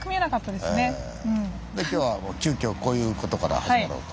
で今日は急きょこういうことから始まろうと。